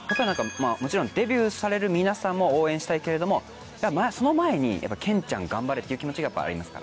もちろんデビューされる皆さんも応援したいけれどもその前にケンちゃん頑張れ！っていう気持ちがありますからね。